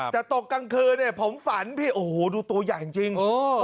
แต่ตกกลางคืนเนี่ยผมฝันพี่โอ้โหดูตัวใหญ่จริง